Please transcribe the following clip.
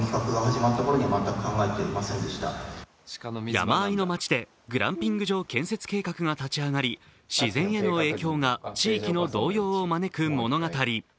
山あいの町でグランピング建設計画が持ち上がり自然への影響が地域の動揺を招く物語。